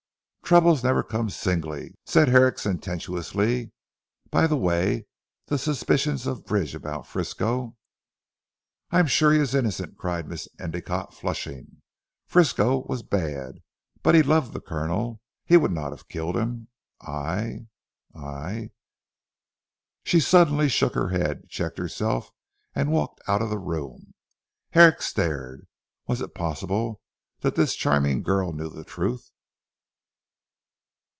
"Troubles never come singly," said Herrick sententiously, "by the way, the suspicions of Bridge about Frisco? " "I am sure he is innocent," cried Miss Endicotte flushing. "Frisco was bad, but he loved the Colonel. He would not have killed him. I I " she suddenly shook her head, checked herself, and walked out of the room. Herrick stared. Was it possible that this charming girl knew the truth?